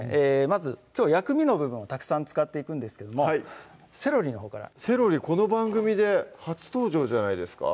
まずきょう薬味の部分をたくさん使っていくんですけどもセロリのほうからセロリこの番組で初登場じゃないですか？